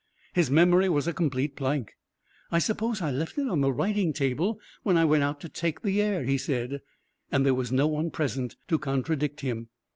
His memory was a complete blank. "I suppose I left it on the writing table when I went out to take the air," he said. And there was no one present to contradict him.